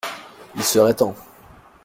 Il serait temps.